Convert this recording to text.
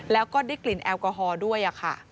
แล้วก็ได้กลิ่นแอลกอฮอล์ด้วยค่ะ